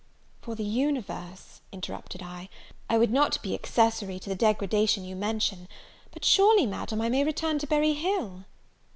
"For the universe," interrupted I, "I would not be accessary to the degradation you mention; but surely, Madam, I may return to Berry Hill?"